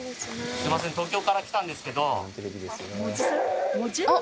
すいません東京から来たんですけど。